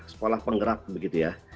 sekolah penggerak gitu ya